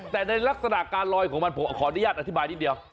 แต่ในลักษณะการลอยของมันผมขออนุญาตอธิบายนิดเดียว